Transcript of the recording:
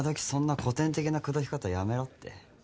そんな古典的な口説き方やめろって。